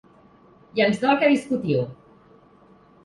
I ens dol que discutiu!